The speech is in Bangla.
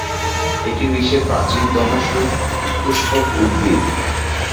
এটি বিশ্বের প্রাচীনতম সপুষ্পক উদ্ভিদ।